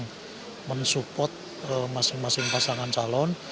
atau kelompok yang mensupport masing masing pasangan calon